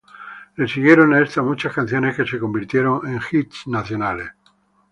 Le siguieron a esta muchas canciones que se convirtieron en hits nacionales.